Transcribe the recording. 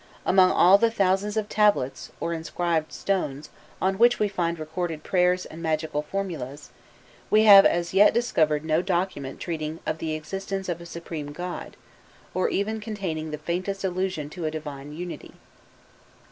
Among all the thousands of tablets or inscribed stones on which we find recorded prayers and magical formulas, we have as yet discovered no document treating of the existence of a supreme god, or even containing the faintest allusion to a divine unity.